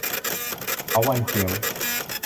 เถาวัลย์เขียว